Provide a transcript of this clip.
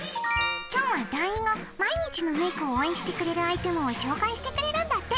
今日は団員が毎日のメイクを応援してくれるアイテムを紹介してくれるんだって。